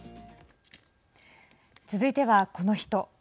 続いては、この人。